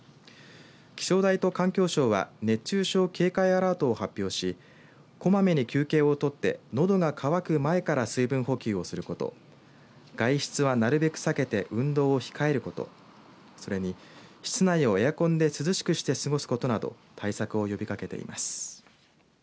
気象台と環境省は熱中症警戒アラートを発表しこまめに休憩をとってのどが渇く前から水分補給をすること、外出はなるべく避けて運動を控えること、それに室内をエアコンで涼しくして過ごすことなど対策を呼びかけています。